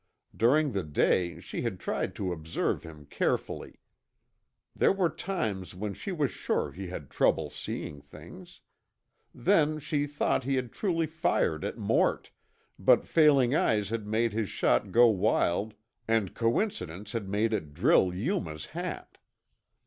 During the day she had tried to observe him carefully. There were times when she was sure he had trouble seeing things. Then she thought he had truly fired at Mort, but failing eyes had made his shot go wild and coincidence had made it drill Yuma's hat.